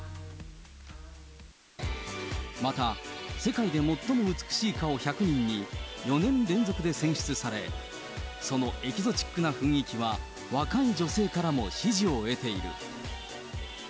また、世界で最も美しい顔１００人に４年連続で選出され、そのエキゾチックな雰囲気は、若い女性からも支持を得ている。